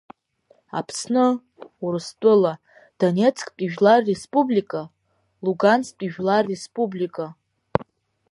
Аԥсны, Урыстәыла, Донецктәи Жәлартә Республика, Лугансктәи Жәлартә Республика.